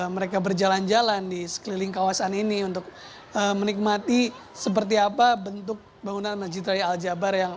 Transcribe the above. mereka berjalan jalan di sekeliling kawasan ini untuk menikmati seperti apa bentuk bangunan masjid raya al jabar